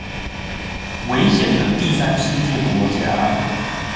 危險的第三世界國家